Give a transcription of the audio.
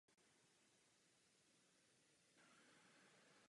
V utkání však nestačil na pozdějšího vítěze Federera ve třech setech.